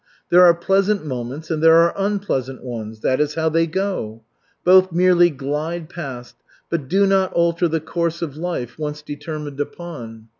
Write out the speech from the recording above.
There are pleasant moments and there are unpleasant ones that is how they go. Both merely glide past but do not alter the course of life once determined upon.